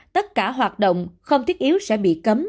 tất cả hoạt động không thiết yếu sẽ bị cấm